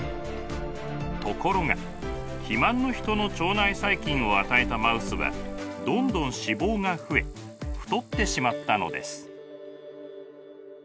ところが肥満のヒトの腸内細菌を与えたマウスはどんどん脂肪が増え太ってしまったのです。